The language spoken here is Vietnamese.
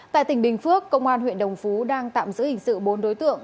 tại tỉnh bình phước công an huyện đồng phú đang tạm giữ hình sự bốn đối tượng